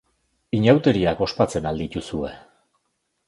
Inauteriak ospatzen al dituzue?